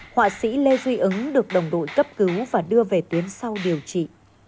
họa sĩ lê duy ứng được đồng đội cấp cứu và đưa về tuyến sau điều trị